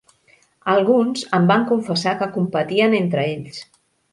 Alguns em van confessar que competien entre ells.